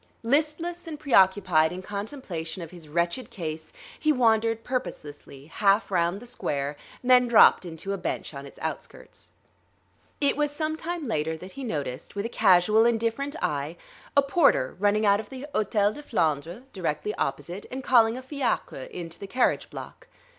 Listless and preoccupied in contemplation of his wretched case he wandered purposelessly half round the square, then dropped into a bench on its outskirts. It was some time later that he noticed, with a casual, indifferent eye, a porter running out of the Hôtel de Flandre, directly opposite, and calling a fiacre in to the carriage block.